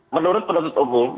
menurut penuntut umum